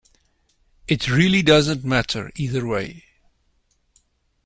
It really doesn't matter either way.